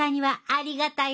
ありがたい。